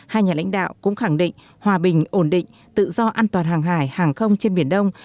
hai nhà lãnh đạo cũng khẳng định hòa bình ổn định tự do an toàn hàng hải hàng không trên biển đông